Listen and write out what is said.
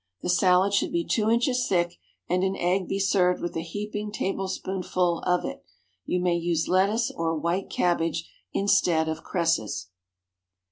The salad should be two inches thick, and an egg be served with a heaping tablespoonful of it. You may use lettuce or white cabbage instead of cresses.